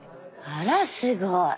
あらすごい。